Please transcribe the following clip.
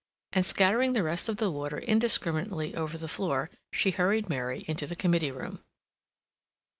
and scattering the rest of the water indiscriminately over the floor, she hurried Mary into the committee room.